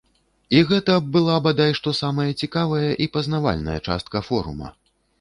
І гэта была бадай што самая цікавая і пазнавальная частка форума.